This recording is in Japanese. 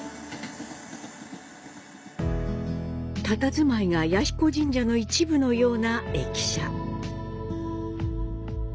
たたずまいが彌彦神社の一部のような駅舎。